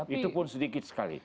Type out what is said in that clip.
itu pun sedikit sekali